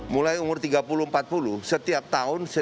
mulai umur tiga puluh empat puluh setiap tahun